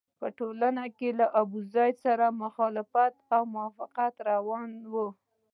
په ټولنه کې له ابوزید سره مخالفت او موافقت روان وو.